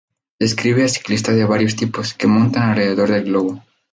Describe a ciclistas de varios tipos, que montan alrededor del globo.